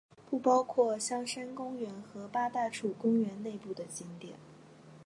不包括香山公园和八大处公园内部的景点。